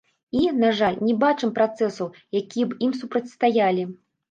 І, на жаль, не бачым працэсаў, якія б ім супрацьстаялі.